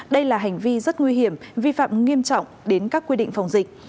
đây là hành vi rất nguy hiểm vi phạm nghiêm trọng đến các quy định phòng dịch